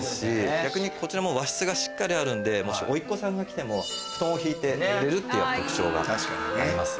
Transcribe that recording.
逆にこちらも和室がしっかりあるんでもしおいっ子さんが来ても布団を敷いて寝れるっていう特徴があります。